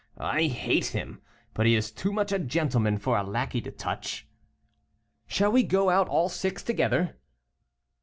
I hate him, but he is too much a gentleman for a lackey to touch." "Shall we go out all six together?"